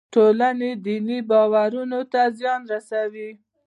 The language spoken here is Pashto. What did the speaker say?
ټولنې دیني باورونو ته زیان رسوي.